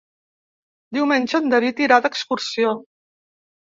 Diumenge en David irà d'excursió.